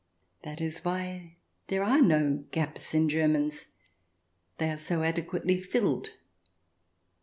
That is why there are no gaps in Germans — they are so adequately filled.